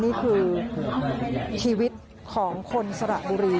นี่คือชีวิตของคนสระบุรี